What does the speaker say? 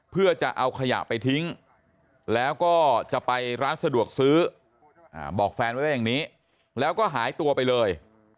เพื่อจะเอาขยะไปทิ้งแล้วก็จะไปร้านสะดวกซื้อบอกแฟนไว้ว่าอย่างนี้แล้วก็หายตัวไปเลย